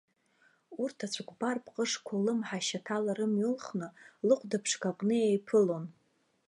Урҭ ацәыкәбар пҟышқәа ллымҳа ашьаҭала рымҩа ылхны, лыхәда ԥшқа аҟны еиԥылон.